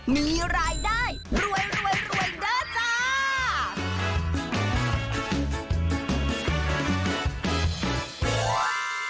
มีรายได้รวยเด้อจ้า